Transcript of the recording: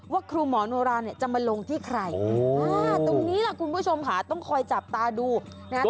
ครูหมอโนราเนี่ยจะมาลงที่ใครตรงนี้ล่ะคุณผู้ชมค่ะต้องคอยจับตาดูนะครับ